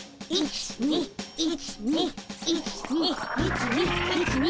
１２１２１２１２。